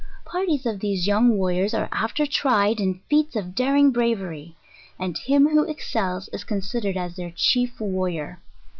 Parties of these young warriors, are after tried in feats of daring bravery, and him who excels is considered as their chief warrior.